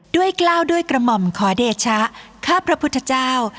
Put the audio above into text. กล้าวด้วยกระหม่อมขอเดชะข้าพระพุทธเจ้า